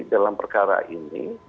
dalam perkara ini